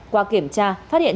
qua kiểm tra phát hiện